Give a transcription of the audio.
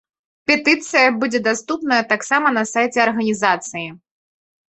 Петыцыя будзе даступная таксама на сайце арганізацыі.